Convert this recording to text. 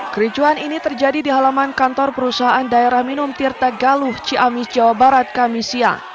kericuan ini terjadi di halaman kantor perusahaan daerah minum tirta galuh ciamis jawa barat kamisia